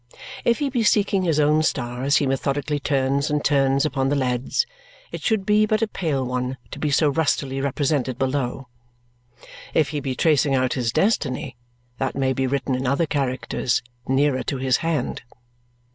If he be seeking his own star as he methodically turns and turns upon the leads, it should be but a pale one to be so rustily represented below. If he be tracing out his destiny, that may be written in other characters nearer to his hand.